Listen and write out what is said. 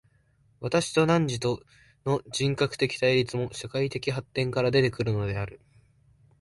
私と汝との人格的対立も、社会的発展から出て来るのである。